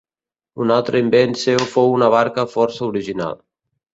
Un altre invent seu fou una barca força original.